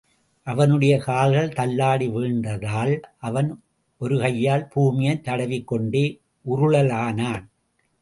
அவனுடைய கால்கள் தள்ளாடி வீழ்ந்ததால் அவன் ஒரு கையால் பூமியைத் தடவிக் கொண்டே உருளலானான்.